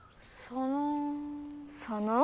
その？